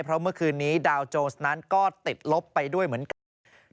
เพราะเมื่อคืนนี้ดาวโจสนั้นก็ติดลบไปด้วยเหมือนกัน